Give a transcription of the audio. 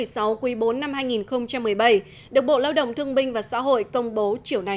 trong quý bốn năm hai nghìn một mươi bảy độc bộ lao động thương minh và xã hội công bố chiều này